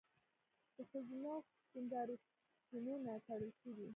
د ښځینه سینګارتونونه تړل شوي؟